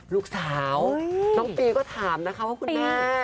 ลูกสาวน้องปีก็ถามนะคะว่าคุณแม่